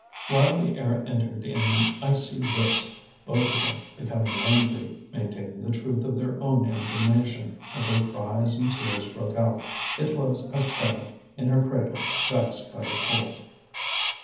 Whilst the air entered in icy whiffs, both of them, becoming angry, maintained the truth of their own information, until cries and tears broke out. It was Estelle, in her cradle, vexed by the cold.